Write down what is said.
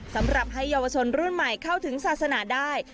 สำหรับให้เยาวชนรุ่นใหม่เข้าถึงศาสนาได้